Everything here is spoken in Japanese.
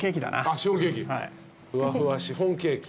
ふわふわシフォンケーキ。